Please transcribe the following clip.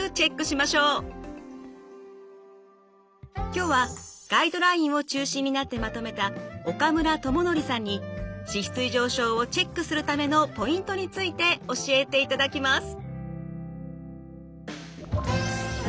今日はガイドラインを中心になってまとめた岡村智教さんに脂質異常症をチェックするためのポイントについて教えていただきます。